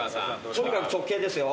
とにかく直径ですよ。